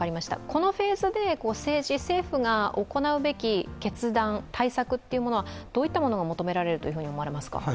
このフェーズで政治・政府が行うべき決断、対策というものはどういったものが求められると思いますか？